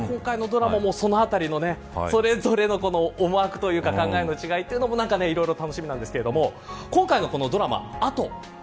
今回のドラマも、そのあたりのそれぞれの思惑という考えの違いというのも楽しみなんですけど今回のドラマ